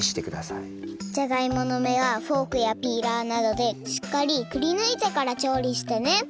じゃがいものめはフォークやピーラーなどでしっかりくりぬいてからちょうりしてね